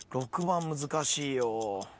６番難しいよ。